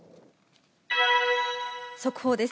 速報です。